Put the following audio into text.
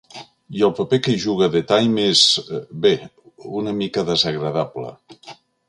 I el paper que hi juga The Time és, bé, una mica desagradable.